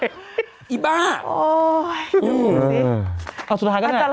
ไอ้ผีไอ้บ้าเอาสุดท้ายก็ได้เอาสุดท้ายก็ได้